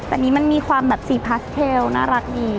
แต่อันนี้มันมีความแบบสีพาสเทลน่ารักดี